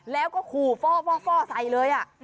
แล้วก็ขู่ฟ่อฟ่อฟ่อใส่เลยอ่ะ